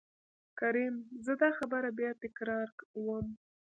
کريم :زه دا خبره بيا تکرار وم.